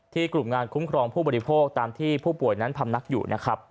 กลุ่มงานคุ้มครองผู้บริโภคตามที่ผู้ป่วยนั้นพำนักอยู่นะครับ